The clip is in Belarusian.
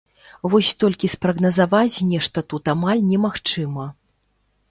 Вось толькі спрагназаваць нешта тут амаль немагчыма.